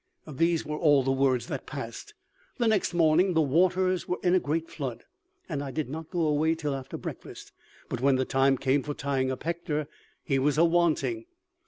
"These were all the words that passed. The next morning the waters were in a great flood, and I did not go away till after breakfast; but when the time came for tying up Hector, he was a wanting.